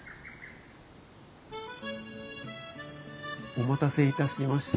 お待たせいたしました。